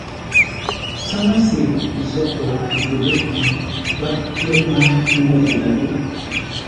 Tsáŋə́se nzóghʼə́ ghəpə́ pi gháp pyér mə́ ngûʼ-ghuʼú.